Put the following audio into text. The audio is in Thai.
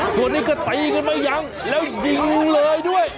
ส่วนนี้ก็ตีกันไม่ยั้งแล้วยิงเลยด้วย